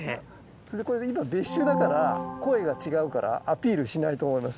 それでこれ今別種だから声が違うからアピールしないと思います